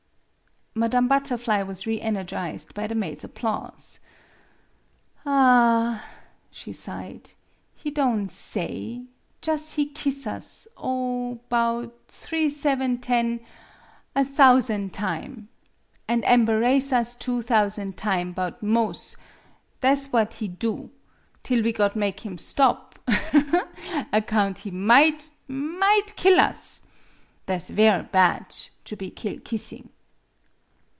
Madame Butterfly was reenergized by the maid's applause. " Ah h h! " she sighed. " He don' say jus' he kiss us, oh, 'bout three seven ten a thousan' time! An' amberace us two thousan' time 'bout 'mos' tha' 's wha! he do till we got make him stop, aha, ha, ha! account he might might kill us ! Tha' 's ver' bad to be kill kissing."